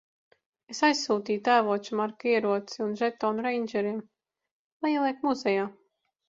Es aizsūtīju tēvoča Marka ieroci un žetonu reindžeriem - lai ieliek muzejā.